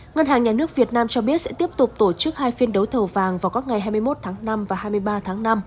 ngân hàng nhà nước việt nam cho biết sẽ tiếp tục tổ chức hai phiên đấu thầu vàng vào các ngày hai mươi một tháng năm và hai mươi ba tháng năm